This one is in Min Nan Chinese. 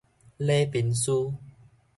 禮賓書